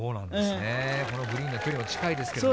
このグリーンの距離も近いですけれども。